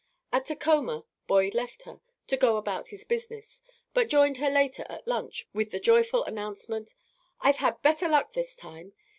At Tacoma Boyd left her, to go about his business, but joined her later at lunch, with the joyful announcement: "I've had better luck, this time.